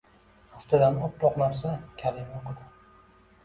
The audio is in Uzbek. Aftidan, oppoq narsa... kalima o‘qidi.